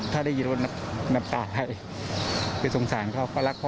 ถ้าได้ยินว่านับตาไปไปสงสารเขาเพราะรักพ่อ